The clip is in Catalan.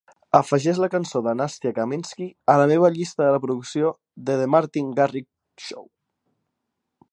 Afegeix la cançó de Nastya Kamenskih a la meva llista de reproducció del The Martin Garrix Show.